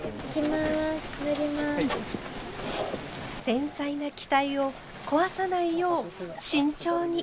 繊細な機体を壊さないよう慎重に。